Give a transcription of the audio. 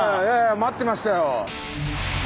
待ってましたよ！